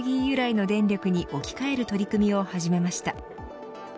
由来の電力に置き換える取り組みを始めました。